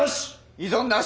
異存なし。